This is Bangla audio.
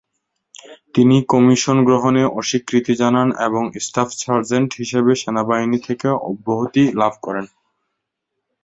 তিনি কমিশন গ্রহণে অস্বীকৃতি জানান এবং স্টাফ সার্জেন্ট হিসেবে সেনাবাহিনী থেকে অব্যাহতি লাভ করেন।